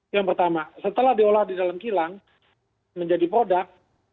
yang pertama setelah diolah di dalam kilang menjadi produk